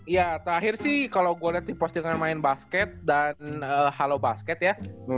iya terakhir sih kalo gue liat di postingan main basket dan halo basket ya